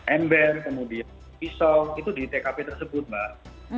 ember kemudian pisau itu di tkp tersebut mbak